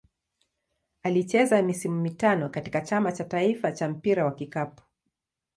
Alicheza misimu mitano katika Chama cha taifa cha mpira wa kikapu.